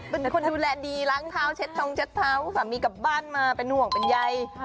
เป็นคนดูแลดีล้างเท้าเช็ดทองเช็ดเท้าสามีกลับบ้านมาเป็นห่วงเป็นใย